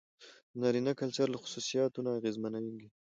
د نارينه کلچر له خصوصيتونو نه اغېزمنېږي.